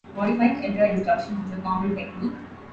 Modifying entire instructions was a common technique.